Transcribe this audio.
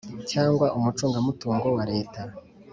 cyangwa umucungamutungo wa leta